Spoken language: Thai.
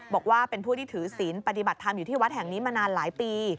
บอกว่าเป็นผู้ที่ถือศีลปฏิบัติธรรมอยู่ที่วัดแห่งนี้มานานหลายปี